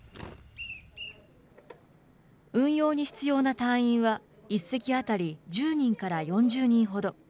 運用に必要な隊員は、１隻当たり１０人から４０人ほど。